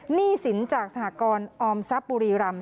หนี้สินจากสหกรออมทรัพย์บุรีรำ